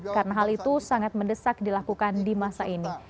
karena hal itu sangat mendesak dilakukan di masa ini